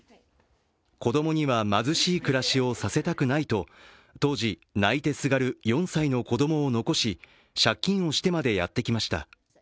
子供には、貧しい暮らしをさせたくないと当時、泣いてすがる４歳の子供を残し、借金をしてまでやってきました。